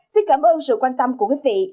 xin cảm ơn sự quan tâm của quý vị